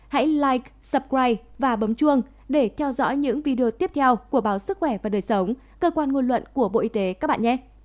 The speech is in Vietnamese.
hãy live supride và bấm chuông để theo dõi những video tiếp theo của báo sức khỏe và đời sống cơ quan ngôn luận của bộ y tế các bạn nhé